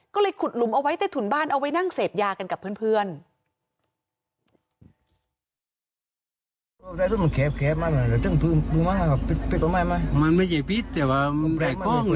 ก็เลยขุดหลุมเอาไว้ใต้ถุนบ้านเอาไว้นั่งเสพยากันกับเพื่อน